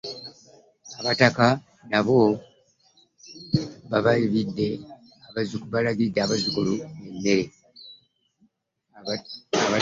Abataka nabo bagabidde abazzukulu emmere.